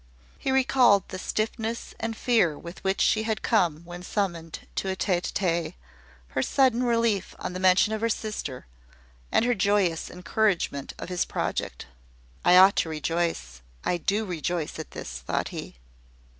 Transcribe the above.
He recalled the stiffness and fear with which she had come when summoned to a tete a tete; her sudden relief on the mention of her sister; and her joyous encouragement of his project. "I ought to rejoice I do rejoice at this," thought he.